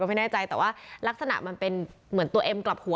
ไม่แน่ใจแต่ว่ารักษณะมันเป็นเหมือนตัวเอ็มกลับหัว